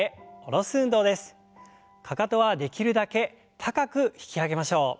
かかとはできるだけ高く引き上げましょう。